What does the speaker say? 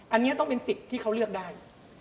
อันนี้ต้องเป็นสิทธิ์ที่เขาเลือกได้